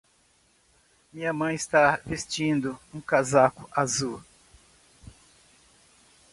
Minha mãe está vestindo um casaco azul.